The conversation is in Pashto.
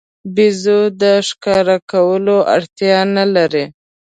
بیزو د ښکار کولو اړتیا نه لري.